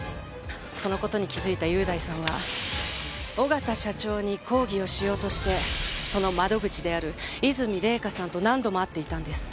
その事に気づいた優大さんは小形社長に抗議をしようとしてその窓口である和泉礼香さんと何度も会っていたんです。